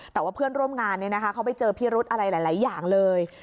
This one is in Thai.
แต่ว่าเพื่อนร่วมงานเขาไปเจอพิรุธอะไรหลายอย่างเลย